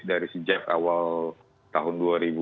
dari sejak awal tahun dua ribu dua puluh satu